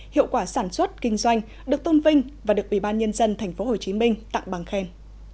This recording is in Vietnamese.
hiệu quả sản xuất kinh doanh được tôn vinh và được ủy ban nhân dân tp hcm tặng bằng khen